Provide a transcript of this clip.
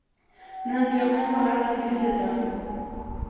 Non di o mesmo a Garda Civil de Tráfico.